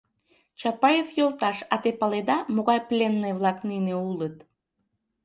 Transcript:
Чапаев йолташ, а те паледа, могай пленный-влак нине улыт?